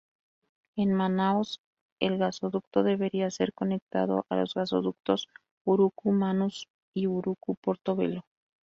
En Manaos el gasoducto debería ser conectado a los gasoductos Urucu–Manos y Urucu-Porto Velho.